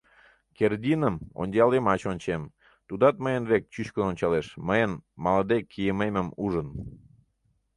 Кердиным одеял йымач ончем, тудат мыйын век чӱчкыдын ончалеш, мыйын малыде кийымемым ужын.